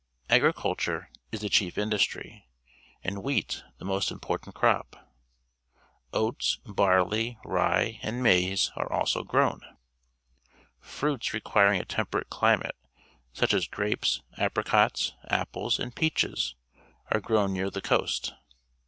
Agriculturfi.is_th£ chief industry, and wheat the most important, crop. Oatsjjarleyjj^^, and nxaJLze are also grown. Fruits requiring a temperate climate, such as grapes^ apricots, apples, and peaches, are grown near the coast.